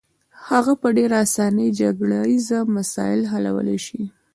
هغه په ډېره اسانۍ جګړه ییز مسایل حلولای شي.